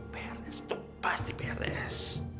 peres tuh pasti peres